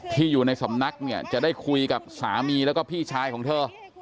ที่อยู่ในสำนักเนี่ยจะได้คุยกับสามีแล้วก็พี่ชายของเธอ